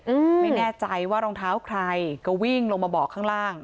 อืมไม่แน่ใจว่ารองเท้าใครก็วิ่งลงมาบอกข้างล่าง